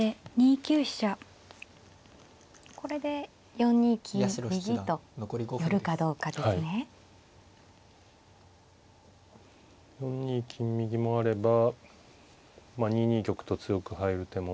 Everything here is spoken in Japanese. ４二金右もあれば２二玉と強く入る手も。